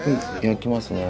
焼きますね。